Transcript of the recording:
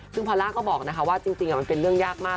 ซึ่งพอล่าก็บอกว่าจริงมันเป็นเรื่องยากมาก